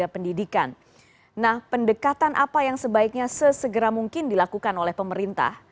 pendekatan apa yang sebaiknya sesegera mungkin dilakukan oleh pemerintah